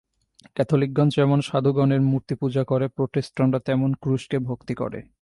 ক্যাথলিকগণ যেমন সাধুগণের মূর্তি পূজা করে, প্রোটেস্টাণ্টরা তেমনি ক্রুশকে ভক্তি করে।